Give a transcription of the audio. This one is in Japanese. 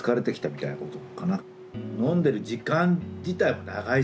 飲んでる時間自体も長いしね。